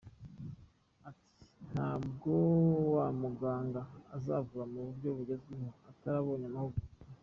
Ati “Ntabwo wa muganga azavura mu buryo bugezweho atarabonye amahugurwa.